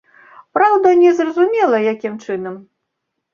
Праўда, незразумела, якім чынам.